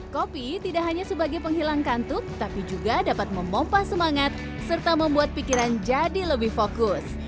kopi tidak hanya sebagai penghilang kantuk tapi juga dapat memompah semangat serta membuat pikiran jadi lebih fokus